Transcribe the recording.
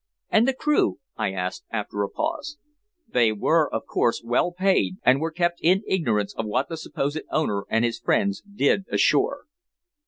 "And the crew?" I asked, after a pause. "They were, of course, well paid, and were kept in ignorance of what the supposed owner and his friends did ashore."